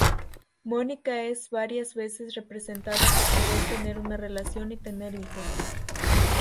Mónica es varias veces representada por querer tener una relación y tener hijos.